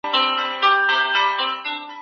د ناروغ کالي جلا پریمنځئ.